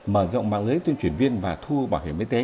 mở rộng mạng lưới tuyên truyền viên và thu bảo hiểm y tế